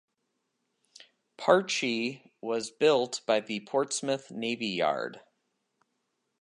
"Parche" was built by the Portsmouth Navy Yard.